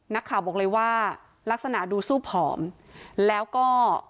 นักข่าวบอกเลยว่าลักษณะดูสู้ผอมแล้วก็